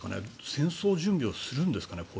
戦争準備をするんですかね。